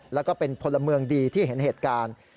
แล้วก็เป็นพลเมืองดีที่เห็นเหตุการณ์